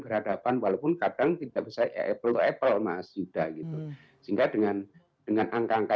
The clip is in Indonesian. terhadapan walaupun kadang tidak bisa apple to apple mahasiswa sehingga dengan dengan angka angka